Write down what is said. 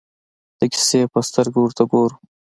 د کیسې په سترګه ورته ګورو.